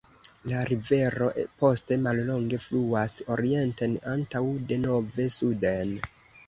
La rivero poste mallonge fluas orienten antaŭ denove suden.